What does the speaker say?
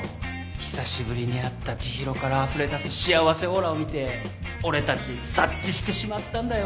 久しぶりに会った知博からあふれ出す幸せオーラを見て俺たち察知してしまったんだよ。